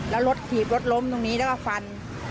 แล้วรถถีบรถล้มตรงนี้แล้วก็ฟัน